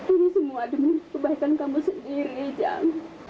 ini semua demi kebaikan kamu sendiri jang